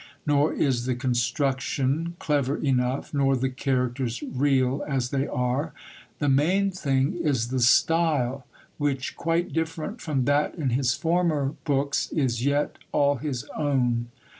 Nor is the construction, clever enough, nor the characters, real as they are; the main thing is the style, which, quite different from that in his former books, is yet all his own.